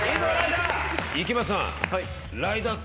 池松さん。